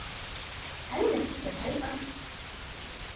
هل نسيت شيئا؟